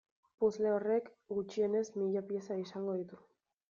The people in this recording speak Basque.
Puzzle horrek gutxienez mila pieza izango ditu.